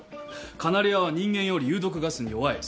カナリアは人間より有毒ガスに弱い。